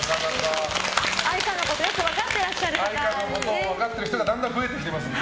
愛花のことよく分かってらっしゃる方が。